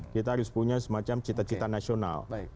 kita harus punya semacam cita cita nasional